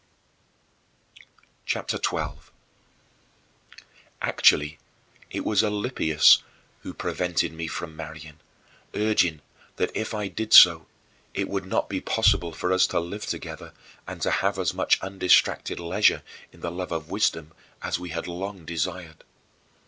CHAPTER XII 21. Actually, it was Alypius who prevented me from marrying, urging that if I did so it would not be possible for us to live together and to have as much undistracted leisure in the love of wisdom as we had long desired.